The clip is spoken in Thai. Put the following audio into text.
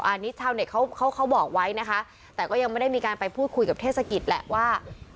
อันนี้ชาวเน็ตเขาเขาเขาบอกไว้นะคะแต่ก็ยังไม่ได้มีการไปพูดคุยกับเทศกิจแหละว่า